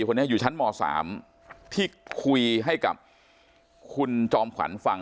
คนนี้อยู่ชั้นม๓ที่คุยให้กับคุณจอมขวัญฟัง